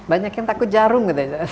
banyak yang takut jarum